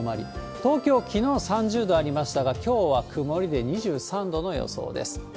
東京、きのう３０度ありましたが、きょうは曇りで２３度の予想です。